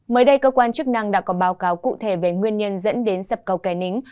mới đây cơ quan chức năng đã có báo cáo cụ thể về nguyên nhân dẫn đến sập cầu kè nính